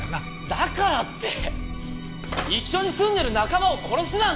だからって一緒に住んでる仲間を殺すなんて！